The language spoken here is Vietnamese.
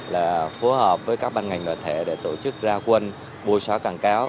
là phù hợp với các ban ngành nội thể để tổ chức ra quân bùi xóa cản cáo